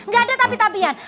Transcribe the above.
gak ada tapi tapian